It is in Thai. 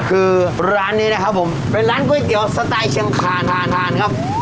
คือร้านนี้นะครับผมเป็นร้านก๋วยเตี๋ยวสไตล์เชียงคานหาทานครับ